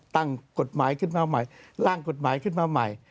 ตั้งกฎหมายขึ้นมาใหม่ร่างกฎหมายขึ้นมาใหม่